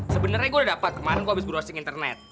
sebenernya gue udah dapet kemarin gue abis browsing internet